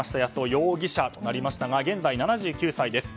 容疑者となりましたが現在、７９歳です。